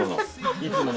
いつもの。